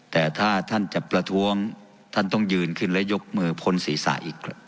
แต่ถ้าท่านจะประท้วงท่านต้องยืนขึ้นและยกมือพ้นศีรษะอีก